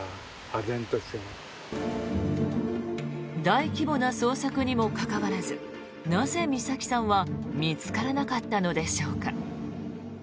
大規模な捜索にもかかわらずなぜ美咲さんは見つからなかったのでしょうか。